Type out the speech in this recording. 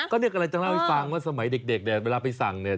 ก็เนี่ยกำลังจะเล่าให้ฟังว่าสมัยเด็กเนี่ยเวลาไปสั่งเนี่ย